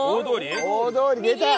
大通り出た！